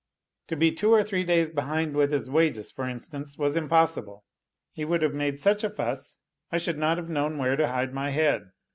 To be two or three days behind with his wages, for instance, NOTES FROM UNDERGROUND 141 was impossible. He would have made such a fuss, I should not have known where to hide my head.